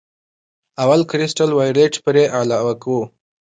اول کرسټل وایولېټ پرې علاوه کوو.